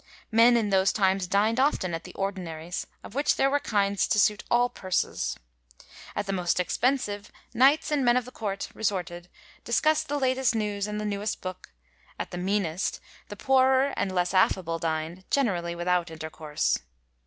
'^ Men, in those times, dined often at the ' ordinaries,' of which there were kinds to suit all purses. At the most expensive, knights and men of Court resorted, discust the latest news and the newest book ; at the meanest the poorer and less aft'able dined, generally without intercourse.